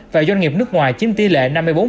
và doanh nghiệp nước ngoài chiếm tỷ lệ năm mươi bốn